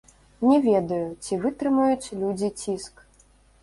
Не ведаю, ці вытрымаюць людзі ціск.